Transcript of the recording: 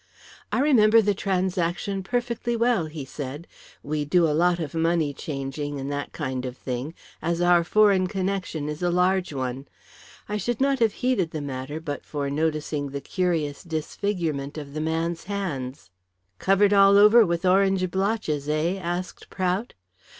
"I remember the transaction perfectly well," he said. "We do a lot of money changing and that kind of thing, as our foreign connection is a large one. I should not have heeded the matter but for noticing the curious disfigurement of the man's hands." "Covered all over with orange blotches, eh?" asked Prout.